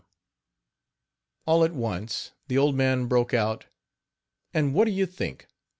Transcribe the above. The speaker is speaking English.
All at once the old man broke out: "And what do you think!